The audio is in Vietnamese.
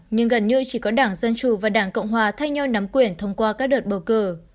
nhưng gần như chỉ có đảng dân chủ và đảng cộng hòa thay nhau nắm quyển thông qua các đợt bầu cử